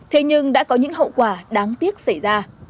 thế nhưng đã có những hậu quả đáng tiếc xảy ra